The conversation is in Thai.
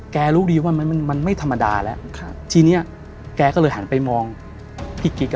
แกรู้ดีว่ามันไม่ธรรมดาแล้วทีนี้แกก็เลยหั่นไปมองพี่กิค